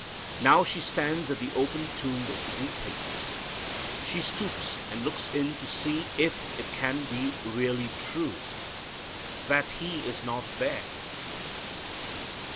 Now she stands at the open tomb weeping. She stoops and looks in to see if it can be really true that He is not there.